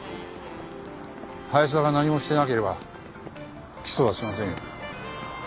林田が何もしてなければ起訴はしませんよ。